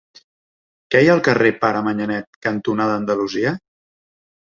Què hi ha al carrer Pare Manyanet cantonada Andalusia?